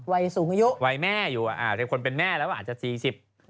วัยสูงอายุวัยแม่อยู่คนเป็นแม่แล้วอาจจะ๔๐